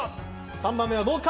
３番目はどうか。